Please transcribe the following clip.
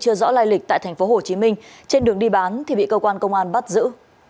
chưa rõ lai lịch tại tp hcm trên đường đi bán thì bị cơ quan công an bắt giữ